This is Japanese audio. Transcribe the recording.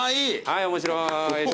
はい面白い。